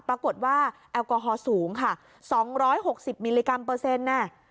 ปรากฏว่าแอลกอฮอลสูงค่ะ๒๖๐มิลลิกรัมเปอร์เซ็นต์น่ะ